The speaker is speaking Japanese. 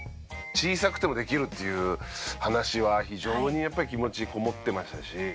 小さくてもできるっていう話は非常にやっぱり気持ちこもってましたし。